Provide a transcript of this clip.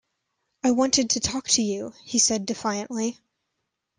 "I wanted to talk to you," he said defiantly.